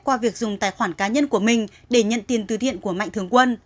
qua việc dùng tài khoản cá nhân của mình để nhận tiền từ thiện của mạnh thường quân